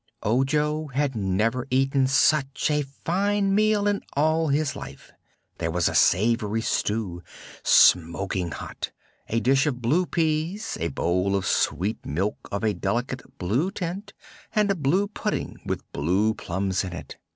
Ojo had never eaten such a fine meal in all his life. There was a savory stew, smoking hot, a dish of blue peas, a bowl of sweet milk of a delicate blue tint and a blue pudding with blue plums in it.